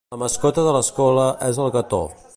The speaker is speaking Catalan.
La mascota de l'escola és el Gator.